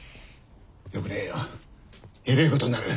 よくねえよえれえことになる。